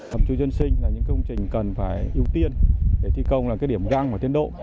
hợp chú dân sinh là những công trình cần phải ưu tiên để thi công là điểm găng và tiến độ